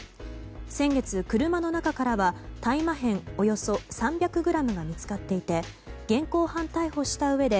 先月、車の中からは大麻片およそ３００ｇが見つかっていて現行犯逮捕したうえで